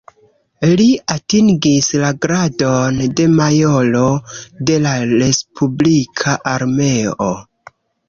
Li atingis la gradon de majoro de la respublika armeo.